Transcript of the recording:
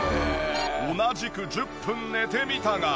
同じく１０分寝てみたが。